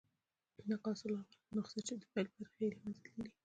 ناقص الاول نسخه، چي د پيل برخي ئې له منځه تللي يي.